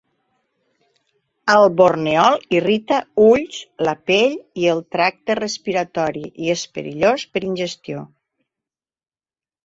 El borneol irrita ulls, la pell i el tracte respiratori i és perillós per ingestió.